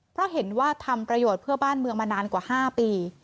เพราะเห็นว่าทำประโยชน์เพื่อบ้านเมืองมานานกว่า๕ปี